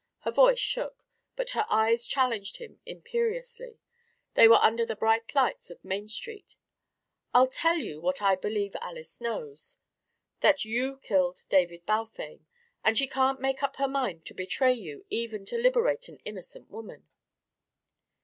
Her voice shook, but her eyes challenged him imperiously; they were under the bright lights of Main Street. "I'll tell you what I believe Alys knows: that you killed David Balfame; and she can't make up her mind to betray you even to liberate an innocent woman."